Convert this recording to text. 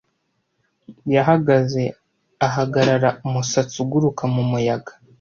Yahagaze ahagarara umusatsi uguruka mu muyaga.